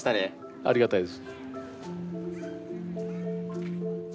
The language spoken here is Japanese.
ありがたいです。